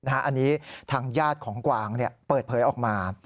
อันนี้ทางญาติของกวางเปิดเผยออกมา